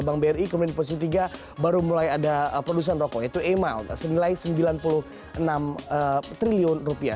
bank bri kemudian di posisi tiga baru mulai ada produsen rokok yaitu amal senilai sembilan puluh enam triliun rupiah